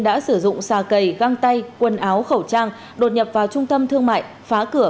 đã sử dụng xà cầy găng tay quần áo khẩu trang đột nhập vào trung tâm thương mại phá cửa